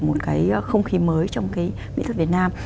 một cái không khí mới trong cái mỹ thuật việt nam